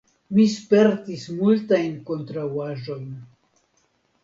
Mi spertis multajn kontraŭaĵojn.